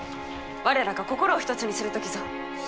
我らが心を一つにする時ぞ。